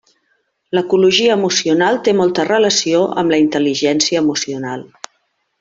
L'ecologia emocional té molta relació amb la Intel·ligència emocional.